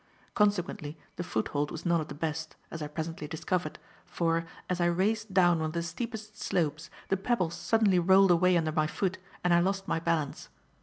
Consequently, the foothold was none of the best, as I presently discovered, for, as I raced down one of the steepest slopes, the pebbles suddenly rolled away under my foot and I lost my balance.